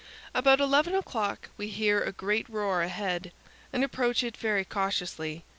About eleven o'clock we hear a great roar ahead, and approach it very cautiously.